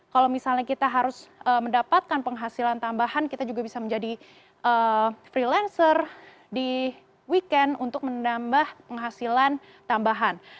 kalau misalnya kita harus mendapatkan penghasilan tambahan kita juga bisa menjadi freelancer di weekend untuk menambah penghasilan tambahan